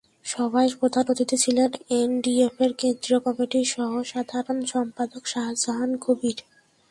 সভায় প্রধান অতিথি ছিলেন এনডিএফের কেন্দ্রীয় কমিটির সহসাধারণ সম্পাদক শাহজাহান কবির।